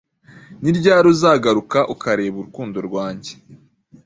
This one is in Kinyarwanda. Ni ryari uzagaruka ukareba urukundo rwanjye,